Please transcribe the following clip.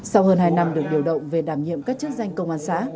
sau hơn hai năm được điều động về đảm nhiệm các chức danh công an xã